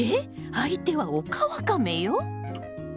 相手はオカワカメよ。